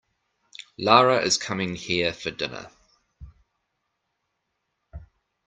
Lara is coming here for dinner.